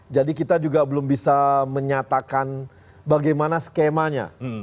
jadi kita juga belum bisa menyatakan bagaimana skemanya